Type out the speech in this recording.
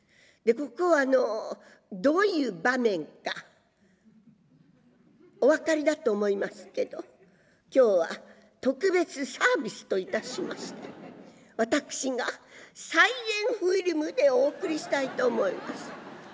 ここはどういう場面かお分かりだと思いますけど今日は特別サービスといたしまして私が再現フィルムでお送りしたいと思います。